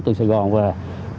từ xe cá mã xanh